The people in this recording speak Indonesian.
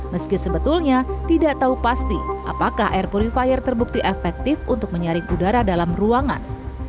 meski sebetulnya tidak tahu pasti apakah air purifier terbukti efektif untuk menyaring udara dalam ruangan